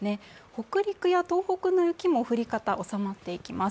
北陸や東北の雪も降り方、収まっていきます。